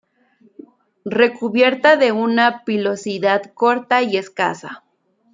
Recubierta de una pilosidad corta y escasa.